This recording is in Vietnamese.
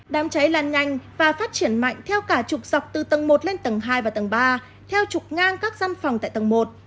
đám cháy lan nhanh và phát triển mạnh theo cả chục dọc từ tầng một lên tầng hai và tầng ba theo trục ngang các dân phòng tại tầng một